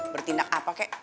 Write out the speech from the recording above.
bertindak apa kek